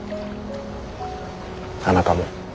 あなたも。